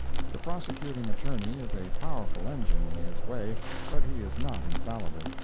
The Prosecuting Attorney is a powerful engine, in his way, but he is not infallible.